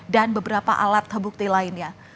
dan beberapa alat kebukti lainnya